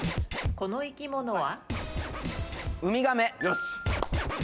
この生き物は？